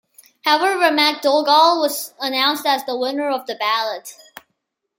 However MacDougall was announced as the winner of the ballot.